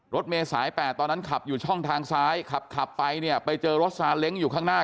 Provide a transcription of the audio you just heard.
รถเมย์สาย๘ตอนนั้นขับอยู่ช่องทางซ้ายขับขับไปเนี่ยไปเจอรถซาเล้งอยู่ข้างหน้า